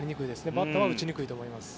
バッターは打ちにくいと思います。